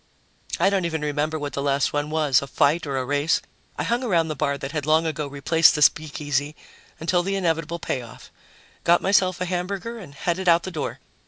I don't even remember what the last one was, a fight or a race. I hung around the bar that had long ago replaced the speakeasy, until the inevitable payoff, got myself a hamburger and headed out the door.